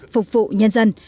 phục vụ nhân dân